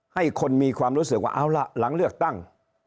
ให้คนมีความรู้สึกว่าเอาล่ะหลังเลือกตั้ง